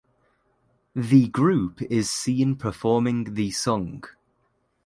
The group is seen performing the song.